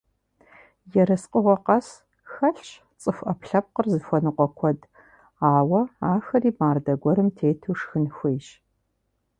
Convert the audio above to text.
Ерыскъыгъуэ къэс хэлъщ цӀыху Ӏэпкълъэпкъыр зыхуэныкъуэ куэд, ауэ ахэри мардэ гуэрым тету шхын хуейщ.